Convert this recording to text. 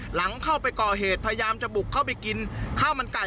หลังเข้าไปก่อเหตุพยายามจะบุกเข้าไปกินข้าวมันไก่